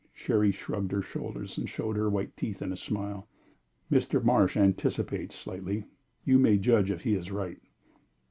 Cherry shrugged her shoulders and showed her white teeth in a smile. "Mr. Marsh anticipates slightly. You may judge if he is right."